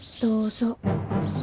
どうぞ。